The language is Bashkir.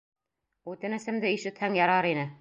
Үтенесемде ишетһәң ярар ине...